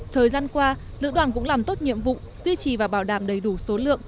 thời gian qua lữ đoàn cũng làm tốt nhiệm vụ duy trì và bảo đảm đầy đủ số lượng